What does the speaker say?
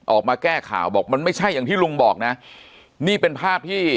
ออกมาแก้ข่าวบอกมันไม่ใช่อย่างที่ลุงบอกนะนี่เป็นภาพที่